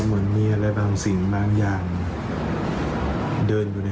แซมว่ารมณ์เด็ดเต็มด้วยนะ